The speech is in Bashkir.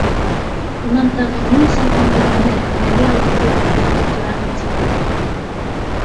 Унан тағы ни өсөн инде мине Әхмәҙи алдында битләп ултыраһың? — тине.